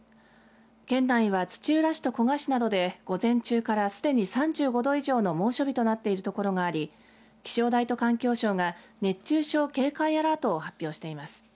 県内は土浦市と古河市などで午前中からすでに３５度以上の猛暑日となっているところがあり気象台と環境省が熱中症警戒アラートを発表しています。